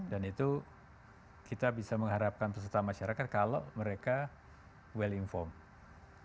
dan itu kita bisa mengharapkan peserta masyarakat kalau mereka well informed